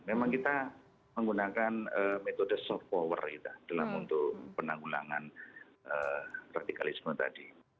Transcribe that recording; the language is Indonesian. memang kita menggunakan metode soft power kita dalam untuk penanggulangan radikalisme tadi